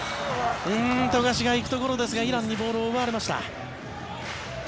富樫が行くところですがイランにボールを奪われました。